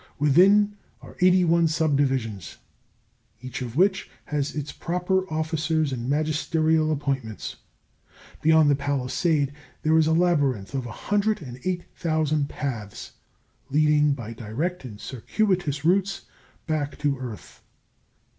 Within are eighty one subdivisions, each of which has its proper officers and magisterial appointments. Beyond the palisade there is a labyrinth of 108,000 paths leading by direct and circuitous routes back to earth.